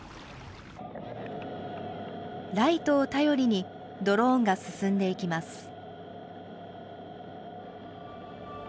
ライトを頼りに、ドローンが進んでいきます。